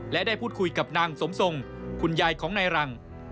และได้พูดคุยกับนางสมทรงคุณยายของนายรัง